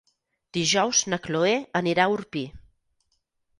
Dijous na Chloé anirà a Orpí.